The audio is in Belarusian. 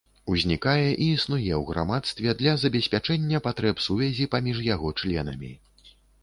Узнікае і існуе ў грамадстве для забеспячэння патрэб сувязі паміж яго членамі.